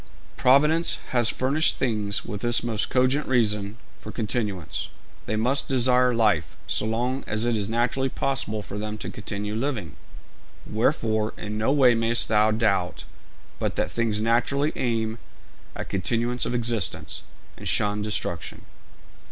Providence has furnished things with this most cogent reason for continuance: they must desire life, so long as it is naturally possible for them to continue living. Wherefore in no way mayst thou doubt but that things naturally aim at continuance of existence, and shun destruction.'